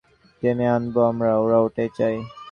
বাক্সটা দেখিয়ে ওদেরকে ওখানে টেনে আনবো আমরা, ওরা ওটাই চায়।